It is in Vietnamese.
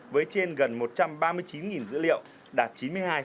với trên gần một trăm ba mươi chín dữ liệu đạt chín mươi hai hai mươi năm